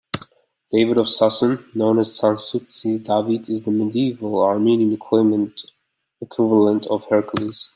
David of Sasun, known as Sasuntsi Davit', is the medieval Armenian equivalent of Hercules.